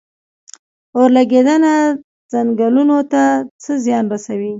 اورلګیدنه ځنګلونو ته څه زیان رسوي؟